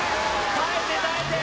耐えて耐えて！